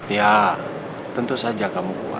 ya tentu saja kamu kuat